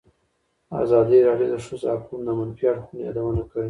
ازادي راډیو د د ښځو حقونه د منفي اړخونو یادونه کړې.